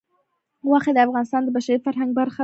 غوښې د افغانستان د بشري فرهنګ برخه ده.